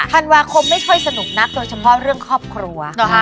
ธันวาคมไม่ค่อยสนุกนักโดยเฉพาะเรื่องครอบครัว